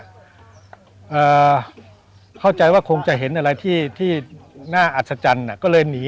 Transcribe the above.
เข้าใจว่าคงจะเห็นอะไรที่ที่น่าอัศจรรย์ก็เลยหนี